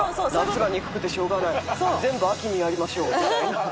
「夏が憎くてしょうがない」「全部秋にやりましょう」みたいな。